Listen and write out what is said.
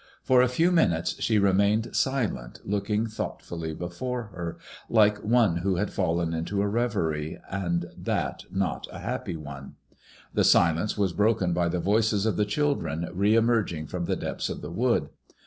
For a few minutes she remained silent, looking I40 MADSMOISKLLE DOB. thoughtfully before her, like one who had fallen into a reverie, and that not a happy one. The silence was broken by the voices of the children re emerging firom the depths of the wood.